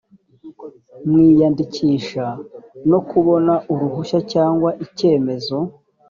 mu iyandikisha no kubona uruhushya cyangwa icyemezo